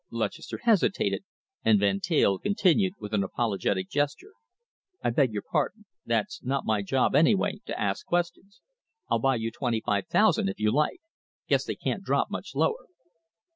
Lutchester hesitated, and Van Teyl continued with an apologetic gesture. "I beg your pardon. That's not my job, anyway, to ask questions. I'll buy you twenty five thousand, if you like. Guess they can't drop much lower."